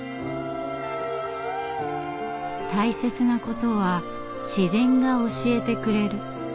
大切なことは自然が教えてくれる。